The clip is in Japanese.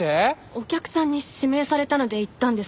お客さんに指名されたので行ったんです。